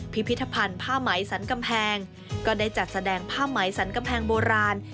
พิพิธภัณฑ์ผ้าไหมสันกำแพงก็ได้จัดแสดงผ้าไหมสันกำแพงโบราณ